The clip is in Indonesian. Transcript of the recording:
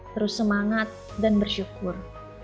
terus semangat dan bersyukur